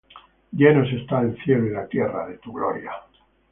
Llenos están el cielo y la tierra de tu gloria.